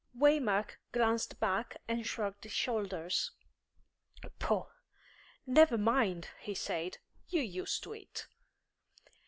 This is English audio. Waymark glanced back and shrugged his shoulders. "Pooh! Never mind," he said. "You're used to it."